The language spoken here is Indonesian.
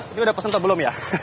ini udah pesan atau belum ya